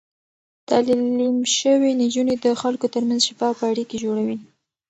تعليم شوې نجونې د خلکو ترمنځ شفاف اړيکې جوړوي.